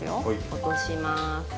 落とします。